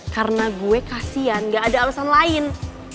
karena gue kasihan gak ada alasan lain